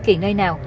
kỳ nơi nào